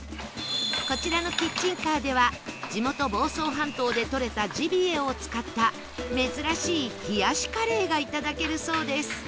こちらのキッチンカーでは地元房総半島でとれたジビエを使った珍しい冷やしカレーがいただけるそうです